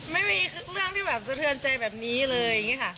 ไม่มีเรื่องที่แบบสะเทือนใจแบบนี้เลยอย่างนี้ค่ะ